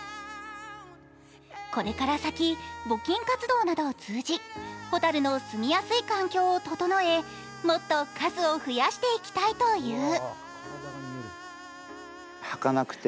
これから先、募金活動などを通じ蛍の住みやすい環境を整え、もっと数を増やしていきたいという。